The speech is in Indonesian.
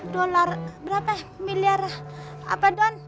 dolar berapa miliar apa don